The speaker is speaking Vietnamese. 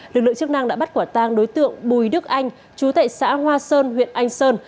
lực lượng chức năng đã bắt quả tang đối tượng bùi đức anh chú tại xã hoa sơn huyện anh sơn